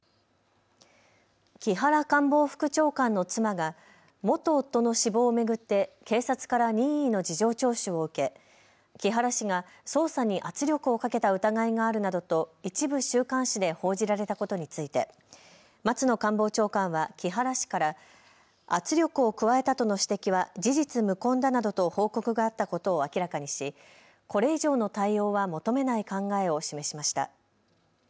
木原官房副長官の妻が元夫の死亡を巡って警察から任意の事情聴取を受け木原氏が捜査に圧力をかけた疑いがあるなどと一部週刊誌で報じられたことについて松野官房長官は木原氏から圧力を加えたとの指摘は事実無根だなどと報告があったことを明らかにし、これ以上の対応は求めない考えを示しました。